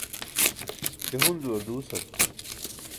je Hunzu-ar duusam